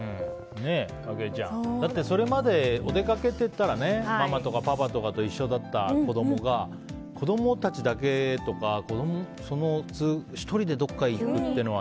あきえちゃん、それまでお出かけといったらパパとかママと一緒だった子供が子供たちだけとか１人でどこかに行くというのは。